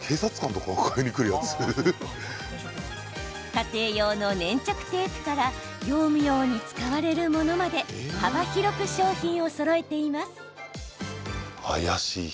家庭用の粘着テープから業務用に使われるものまで幅広く商品をそろえています。